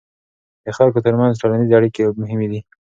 د خلکو ترمنځ ټولنیزې اړیکې مهمې دي.